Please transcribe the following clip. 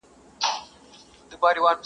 ماشومان يې بلاګاني په خوب ويني-